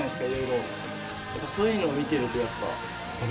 そういうのを見てるとやっぱ。